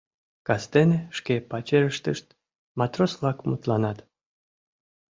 Кастене шке пачерыштышт матрос-влак мутланат: